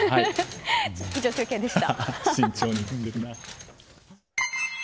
以上、中継でした。